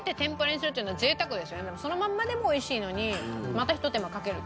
そのまんまでも美味しいのにまたひと手間かけるっていう。